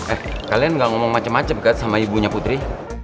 eh kalian gak ngomong macem macem banget sama ibunya putri